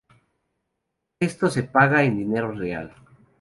Esto se paga en dinero real.